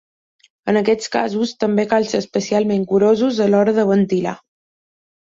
En aquests casos, també cal ser especialment curosos a l’hora de ventilar.